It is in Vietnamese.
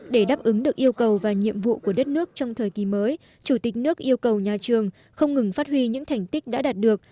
để đáp ứng được yêu cầu và nhiệm vụ của đất nước trong thời kỳ mới chủ tịch nước yêu cầu nhà trường không ngừng phát huy những thành tích đã đạt được